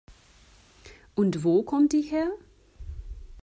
Und wo kommt die her?